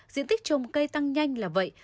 diện tích trồng cây tăng nhanh là vậy